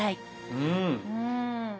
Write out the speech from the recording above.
うん。